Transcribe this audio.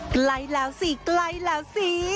ไกลแล้วสิไกลแล้วสิ